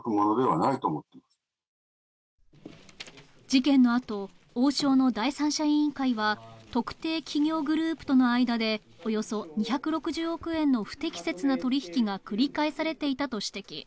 事件のあと、王将の第三者委員会は特定企業グループとの間でおよそ２６０億円の不適切な取り引きが繰り返されていたと指摘。